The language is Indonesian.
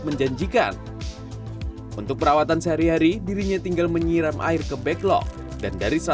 menjanjikan untuk perawatan sehari hari dirinya tinggal menyiram air ke backlog dan dari